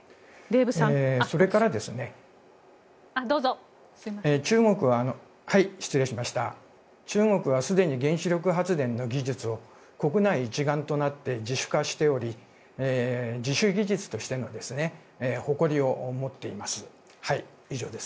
それから、中国はすでに原子力発電の技術を国内一丸となって自主化しており自主技術としての誇りを持っています。